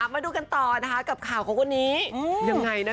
มาดูกันต่อนะคะกับข่าวของวันนี้